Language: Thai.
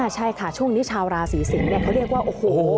ใช่ค่ะช่วงนี้ชาวราศีสิงศ์เขาเรียกว่าโอ้โห